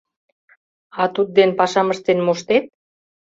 — А тудден пашам ыштен моштет?